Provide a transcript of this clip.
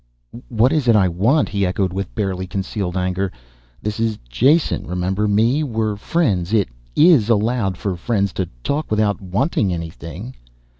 "What is it I want!" he echoed with barely concealed anger. "This is Jason, remember me? We're friends. It is allowed for friends to talk without 'wanting' anything."